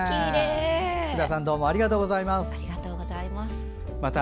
福田さんどうもありがとうございました。